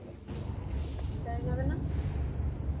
ভিতরে যাবে না।